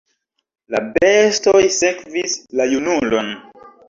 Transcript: La bestoj sekvis la junulon.